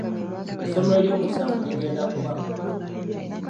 essomo eryomusanvu ligenda kubaamu bino.